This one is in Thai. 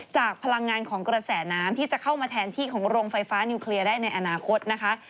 พลังงานของกระแสน้ำที่จะเข้ามาแทนที่ของโรงไฟฟ้านิวเคลียร์ได้ในอนาคตนะคะ